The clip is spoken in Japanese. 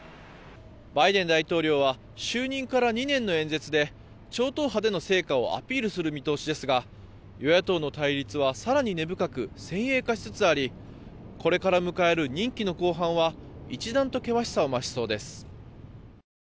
バイデン大統領は就任から２年の演説で超党派での成果をアピールする見通しですが与野党の対立は更に根深く先鋭化しつつありこれから迎える任期の後半は一段と険しさを増しそうです。